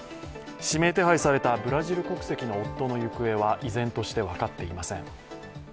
指名手配されたブラジル国籍の夫の行方は依然として分かっていません。